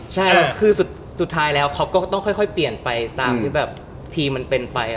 ใช่แล้วคือสุดท้ายแล้วเขาก็ต้องค่อยเปลี่ยนไปตามที่แบบทีมมันเป็นไป